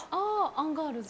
アンガールズ。